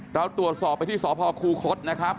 เราตรวจสอบไปที่สพคูคศนะครับ